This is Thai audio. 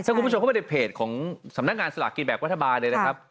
ถ้าคุณผู้ชมเข้ามาในเพจของสำนักงานสลากกินแบบรัฐบาลเลยนะครับ